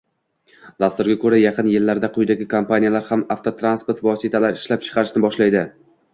Dasturga koʻra, yaqin yillarda quyidagi kompaniyalar ham avtotransport vositalari ishlab chiqarishni boshlaydi.